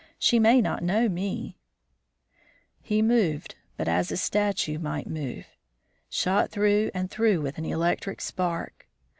She may not know me." He moved, but as a statue might move, shot through and through with an electric spark.